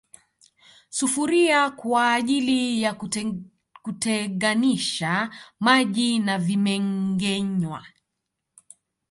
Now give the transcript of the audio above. Sufuria kwaajili ya kuteganisha maji na vimengenywa